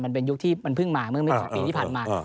มันเป็นยุคที่มันเพิ่งมาเมื่อไม่๓ปีที่ผ่านมา